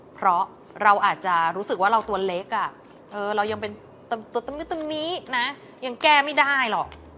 เพราะเราอาจจะรู้สึกว่าเราตัวเล็กเรายังเป็นตัวตึมินะยังแก้ไม่ได้หรอก